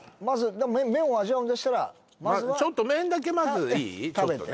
まず麺を味わうんでしたらちょっと麺だけまずいい？